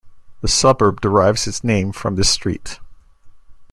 The suburb derives its name from this street.